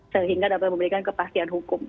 sehingga dapat memberikan kepastian hukum